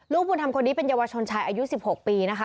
ลูกบุญธรรมคนนี้เป็นเยาวชนชายอายุ๑๖ปีนะคะ